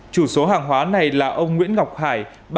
chủ số hàng hóa này là ông nguyễn ngọc hải